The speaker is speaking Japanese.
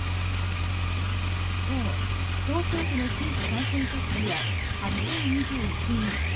今日、東京都の新規感染者数は８０２１人。